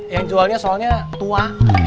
yang jualnya soalnya tua